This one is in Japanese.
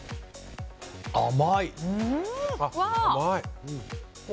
甘い！